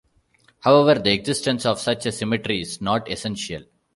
However, the existence of such a symmetry is not essential.